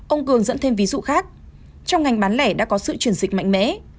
ông cường dẫn thêm ví dụ khác trong ngành bán lẻ đã có sự chuyển dịch mạnh mẽ